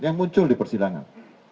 yang muncul di persidangan